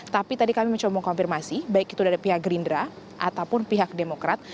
tapi tadi kami mencoba mengkonfirmasi baik itu dari pihak gerindra ataupun pihak demokrat